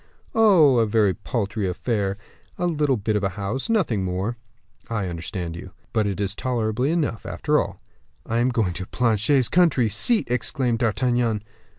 "Oh, a very paltry affair; a little bit of a house nothing more." "I understand you." "But it is tolerable enough, after all." "I am going to Planchet's country seat!" exclaimed D'Artagnan.